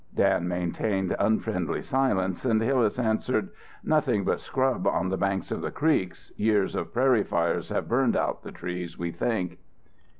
Dan maintained unfriendly silence and Hillas answered: "Nothing but scrub on the banks of the creeks. Years of prairie fires have burned out the trees, we think."